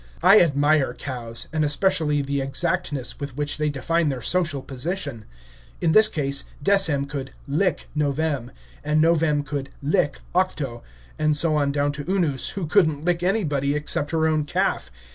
I admire cows, and especially the exactness with which they define their social position. In this case, Decem could "lick" Novem, and Novem could "lick" Octo, and so on down to Unus, who could n't lick anybody, except her own calf.